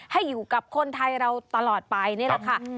ให้กับคนไทยเราตลอดไปนี่แหละค่ะ